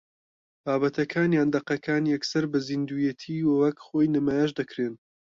بابەتەکان یان دەقەکان یەکسەر بە زیندووێتی و وەک خۆی نمایش دەکرێن